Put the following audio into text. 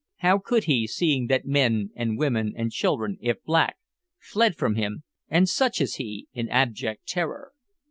How could he, seeing that men and women and children if black fled from him, and such as he, in abject terror?